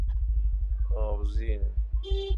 آوزین